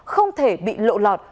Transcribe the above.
không thể bị lộ lọt